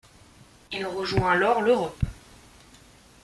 Il rejoint alors l'Europe.